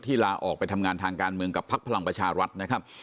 ลาออกไปทำงานทางการเมืองกับพักพลังประชารัฐนะครับ